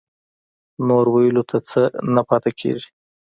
نور ويلو ته څه نه پاتې کېږي.